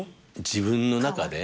自分の中で？